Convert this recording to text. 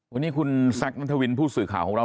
วันนี้คุณแซคนัทวินผู้สื่อข่าวของเรา